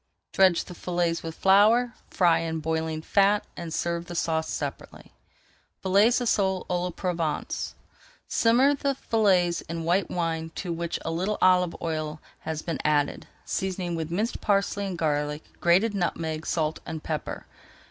Dredge the fillets with flour, fry in boiling fat, and serve the sauce separately. FILLETS OF SOLE À LA PROVENCE Simmer the fillets in white wine to which a little olive oil has been added, seasoning with minced parsley and garlic, grated nutmeg, salt, and pepper.